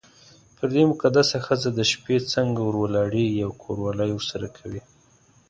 پر دې مقدسه ښځه د شپې څنګه ور ولاړېږې او کوروالی ورسره کوې.